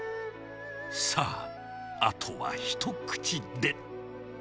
さあ、あとは一口で。